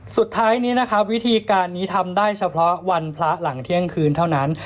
สุดท้ายนี้นะครับวิธีการนี้ทำได้เฉพาะวันพระหลังเที่ยงคืนเท่านั้น